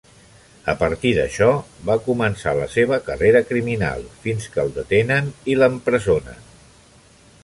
A partir d'això va començar la seva carrera criminal, fins que el detenen i l'empresonen.